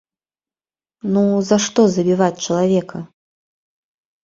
Ну, за што забіваць чалавека?